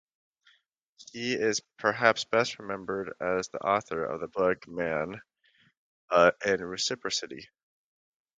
He is perhaps best remembered as the author of the book "Man in Reciprocity".